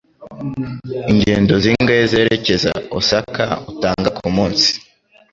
Ingendo zingahe zerekeza Osaka utanga kumunsi?